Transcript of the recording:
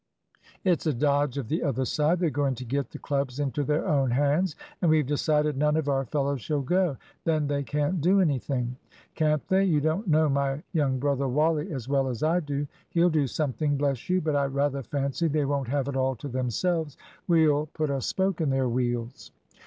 "It's a dodge of the other side. They're going to get the clubs into their own hands, and we've decided none of our fellows shall go. Then they can't do anything." "Can't they? You don't know my young brother Wally as well as I do. He'll do something, bless you; but I rather fancy they won't have it all to themselves. We'll put a spoke in their wheels."